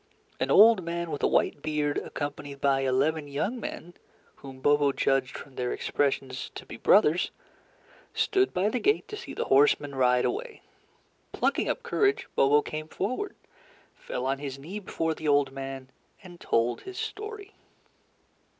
An old man with a white beard, accompanied by eleven young men, whom Bobo judged, from their expressions, to be brothers, stood by the gate to see the horseman ride away. Plucking up courage, Bobo came forward, fell on his knee before the old man, and told his story.